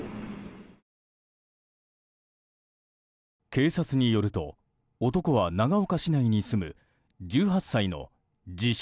警察によると男は長岡市内に住む１８歳の自称